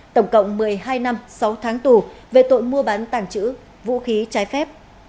tổng cộng một mươi hai năm sáu tháng tù về tội mua bán tàng trữ vũ khí trái phép